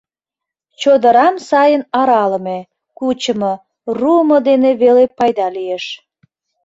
Чодырам сайын аралыме, кучымо, руымо дене веле пайда лиеш.